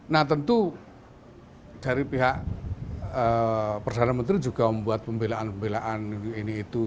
nah tentu dari pihak perdana menteri juga membuat pembelaan pembelaan ini itu